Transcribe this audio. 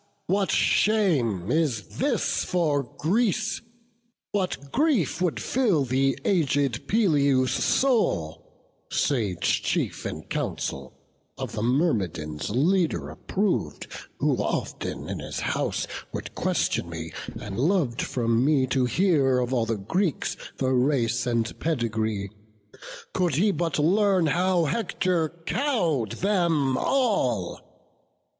what shame is this for Greece! What grief would fill the aged Peleus' soul, Sage chief in council, of the Myrmidons Leader approv'd, who often in his house Would question me, and lov'd from me to hear Of all the Greeks the race and pedigree, Could he but learn how Hector cow'd them all!